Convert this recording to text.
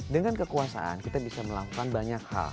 dengan kekuasaan kita bisa melakukan banyak hal